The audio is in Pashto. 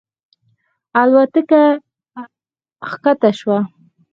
الوتکه ښکته شوه.